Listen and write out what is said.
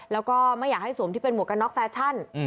แล้วก็ไม่อยากให้สวมที่เป็นหมวกกันน็อกแฟชั่น